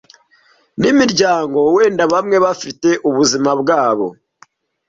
nimiryango wenda bamwe bafite ubuzima bwabo.